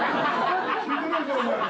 聞いてないぞお前。